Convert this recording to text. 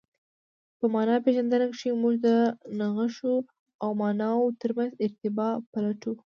په مانا پېژندنه کښي موږ د نخښو او ماناوو ترمنځ ارتباط پلټو.